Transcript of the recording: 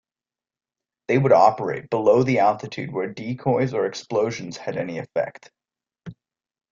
They would operate below the altitude where decoys or explosions had any effect.